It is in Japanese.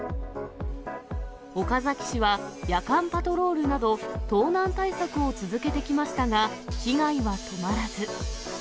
岡崎市は夜間パトロールなど、盗難対策を続けてきましたが、被害は止まらず。